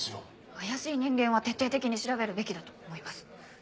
怪しい人間は徹底的に調べるべきだと思います。